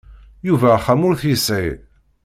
Yuba axxam ur t-yesɛi.